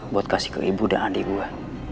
buat kasih ke ibu dan adik gue